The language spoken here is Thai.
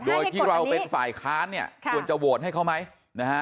เมื่อที่เราเป็นฝ่ายค้าสควรจะโหวตให้เข้าไหม